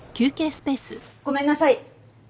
ごめんなさい。